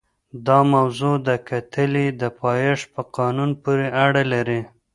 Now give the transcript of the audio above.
دا موضوع د کتلې د پایښت په قانون پورې اړه لري.